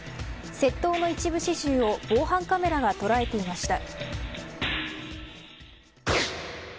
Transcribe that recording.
窃盗の一部始終を防犯カメラが捉えていました。